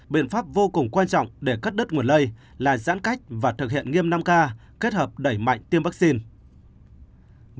biện pháp vô cùng quan trọng để cắt đứt nguồn lây là giãn cách và thực hiện nghiêm năm k kết hợp đẩy mạnh tiêm vaccine